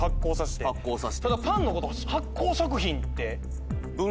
ただパンのことを発酵食品って。